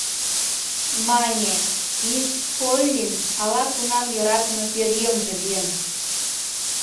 Мане, мисс Поллин ала-кунам йӧратыме пӧръеҥже лийын.